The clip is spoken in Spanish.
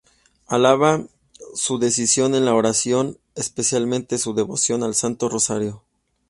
Alaba su dedicación en la oración, especialmente su devoción al Santo Rosario.